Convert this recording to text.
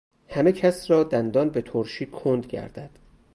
همه کس را دندان بترشی کند گردد